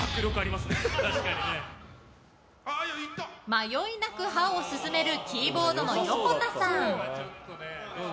迷いなく刃を進めるキーボードのヨコタさん。